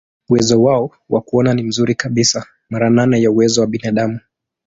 Uwezo wao wa kuona ni mzuri kabisa, mara nane ya uwezo wa binadamu.